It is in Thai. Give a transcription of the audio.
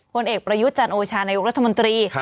ผลเอกประยุทธ์จันโอชานายกรัฐมนตรี